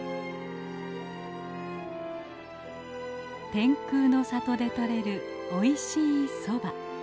天空の里で採れるおいしいソバ。